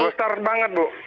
besar banget bu